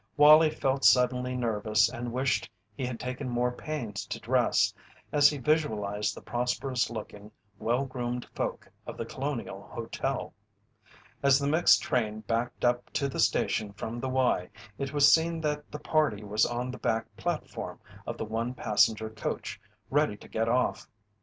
Wallie felt suddenly nervous and wished he had taken more pains to dress, as he visualized the prosperous looking, well groomed folk of The Colonial Hotel. As the mixed train backed up to the station from the Y, it was seen that the party was on the back platform of the one passenger coach, ready to get off.